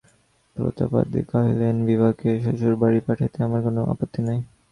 প্রতাপাদিত্য কহিলেন, বিভাকে শ্বশুরবাড়ি পাঠাইতে আমার কোনো আপত্তি নাই।